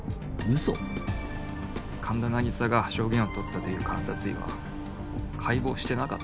神田凪沙が証言を取ったという監察医は解剖してなかった。